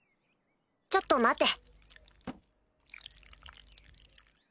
ちょっと待て。